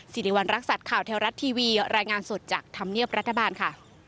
สิริวัณรักษัตริย์ข่าวเทวรัฐทีวีรายงานสดจากธรรมเนียบรัฐบาลค่ะ